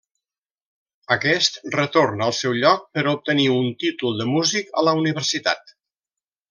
Aquest retorn al seu lloc per obtenir un títol de músic a la universitat.